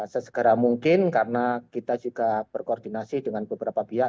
sesegera mungkin karena kita juga berkoordinasi dengan beberapa pihak